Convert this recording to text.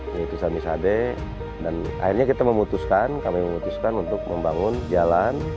ini tisani sade dan akhirnya kita memutuskan kami memutuskan untuk membangun jalan